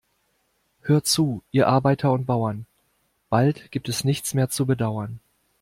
Hört zu, ihr Arbeiter und Bauern, bald gibt es nichts mehr zu bedauern.